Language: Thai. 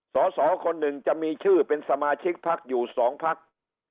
สอสอคนหนึ่งจะมีชื่อเป็นสมาชิกพักอยู่๒พัก